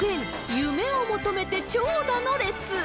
夢を求めて長蛇の列。